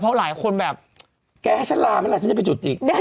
เพราะหลายคนแบบแกให้ฉันลาไหมล่ะฉันจะไปจุติ